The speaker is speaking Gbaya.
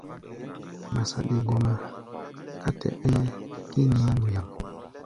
Ŋma saɗi gɔma ká tɛ-ɛ́ɛ́ kínií nduyaŋ.